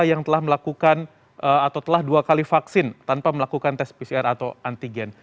yang telah melakukan atau telah dua kali vaksin tanpa melakukan tes pcr atau antigen